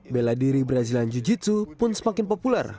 bela diri brazilian jiu jitsu pun semakin populer